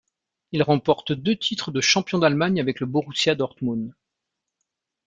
Il remporte deux titres de champion d'Allemagne avec le Borussia Dortmund.